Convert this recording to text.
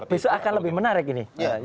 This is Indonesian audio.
besok akan lebih menarik ini